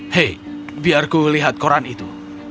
hei biar ku lihat koran itu